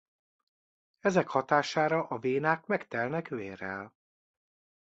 Ezek hatására a vénák megtelnek vérrel.